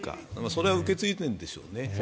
それは受け継いでいるんでしょうね。